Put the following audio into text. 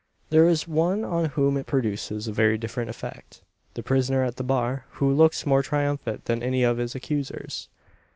There is one on whom it produces a very different effect the prisoner at the bar who looks more triumphant than any of his accusers!